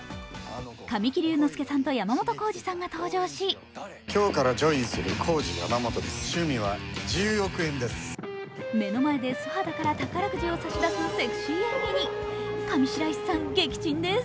神木隆之介さんと山本耕史さんが登場し目の前で素肌から宝くじを差し出すセクシー演技に上白石さん、撃沈です。